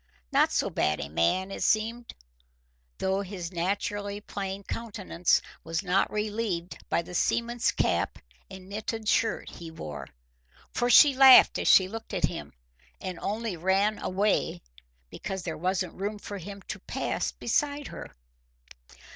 Not so bad a man, it seemed, though his naturally plain countenance was not relieved by the seaman's cap and knitted shirt he wore. For she laughed as she looked at him, and only ran away because there wasn't room for him to pass beside her.